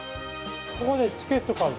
◆ここでチケット買う。